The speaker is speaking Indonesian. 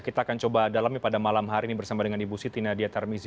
kita akan coba dalami pada malam hari ini bersama dengan ibu siti nadia tarmizi